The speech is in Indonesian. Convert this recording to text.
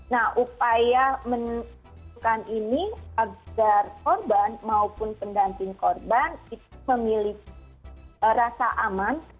nah upaya menentukan ini agar korban maupun pendamping korban itu memiliki rasa aman